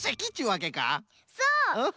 そう！